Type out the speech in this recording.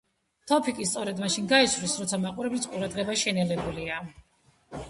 თოფი კი სწორედ მაშინ გაისვრის როცა მაყურებლის ყურადღება შენელებულია.